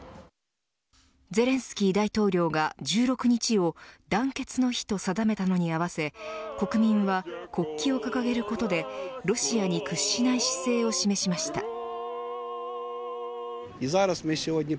ゼレンスキー大統領が１６日を団結の日と定めたのに合わせ国民は国旗を掲げることでロシアに屈しない姿勢を示しました。